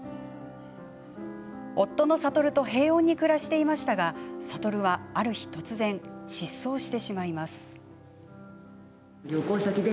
夫の悟と平穏に暮らしていましたが悟は、ある日突然失踪してしまいます。